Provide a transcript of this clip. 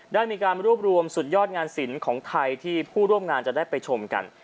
ได้มีการรวบรวมสุดยอดงานศิลป์ของไทยที่ผู้ร่วมงานจะได้ไปชมกัน